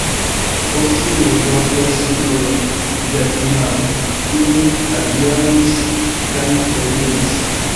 Post tiuj vortoj sinjoro Ĵakemaro fine adiaŭis kaj eliris.